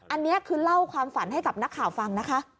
อันนี้คือเล่าความฝันให้กับนักข่าวฟังนะคะ